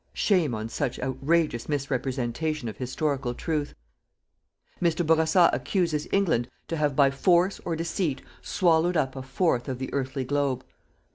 Shame on such outrageous misrepresentation of historical truth. Mr. Bourassa accuses England to have by force or deceit swallowed up a fourth of the earthly globe.